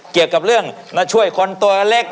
เกี่ยวกับเรื่องมาช่วยคนตัวเล็ก